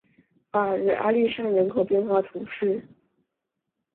法尔日阿利尚人口变化图示